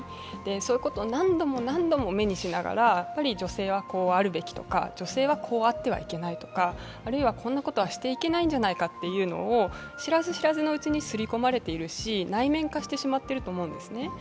そういうことを何度も何度も目にしながら女性はこうあるべきとか、女性はこうあってはいけないとかあるいはこんなことはしてはいけないんじゃないかっていうのを知らず知らずのうちにすり込まれているし、内面化していると思うんですね。